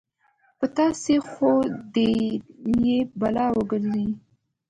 په تا خو دې يې بلا وګرځې.